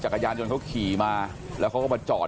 จักรยานยนต์เขาขี่มาแล้วเขาก็มาจอด